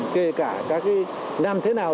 kể cả các làm thế nào